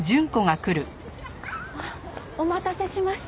お待たせしました。